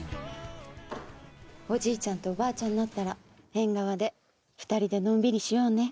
おじいちゃんとおばあちゃんになったら、縁側で２人でのんびりしようね。